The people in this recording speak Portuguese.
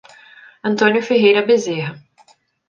Antônio Ferreira Bezerra